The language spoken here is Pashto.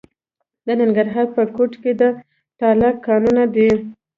د ننګرهار په کوټ کې د تالک کانونه دي.